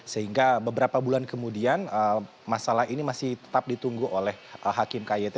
sehingga beberapa bulan kemudian masalah ini masih tetap ditunggu oleh hakim kyt